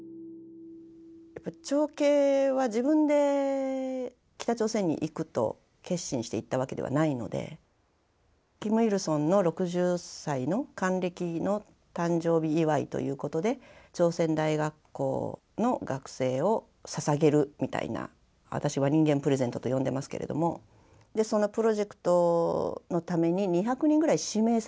長兄は自分で北朝鮮に行くと決心して行ったわけではないのでキムイルソンの６０歳の還暦の誕生日祝いということで朝鮮大学校の学生をささげるみたいな私は人間プレゼントと呼んでますけれどもそのプロジェクトのために２００人ぐらい指名されるんですね。